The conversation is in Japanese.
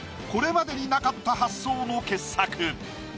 これまでになかった発想の傑作。